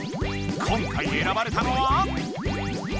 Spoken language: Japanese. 今回えらばれたのは？